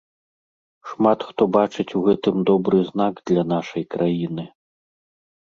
Шмат хто бачыць у гэтым добры знак для нашай краіны.